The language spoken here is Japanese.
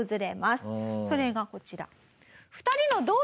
それがこちら。